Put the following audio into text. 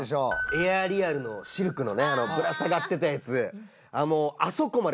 エアリアルシルクのねあのぶら下がってたやつ